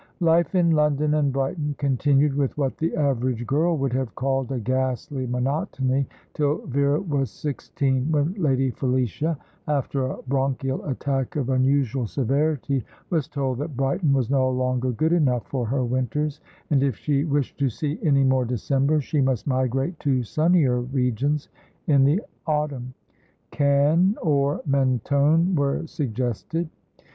Life in London and Brighton continued with what the average girl would have called a ghastly monotony, till Vera was sixteen, when Lady Felicia, after a bronchial attack of unusual severity, was told that Brighton was no longer good enough for her winters, and if she wished to see any more Decembers, she must migrate to sunnier regions in the autumn. Cannes or Mentone were suggested.